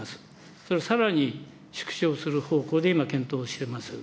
それをさらに縮小する方向で今検討してます。